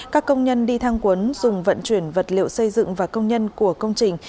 các công nhân đi thang quấn dùng vận chuyển vật liệu xây dựng và công nhân của công trình